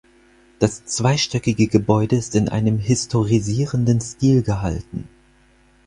Das zweistöckige Gebäude ist in einem historisierenden Stil gehalten.